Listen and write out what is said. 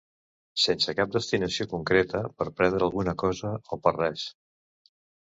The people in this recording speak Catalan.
Sense cap destinació concreta, per prendre alguna cosa o per res.